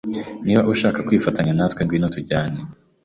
Niba ushaka kwifatanya natwe ngwino tujyane.